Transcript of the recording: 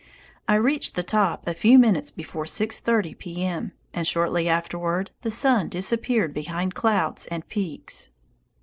I reached the top a few minutes before 6.30 P. M., and shortly afterward the sun disappeared behind clouds and peaks.